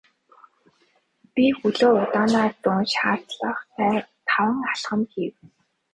Би хөлөө удаанаар зөөн шаардлагатай таван алхам хийв.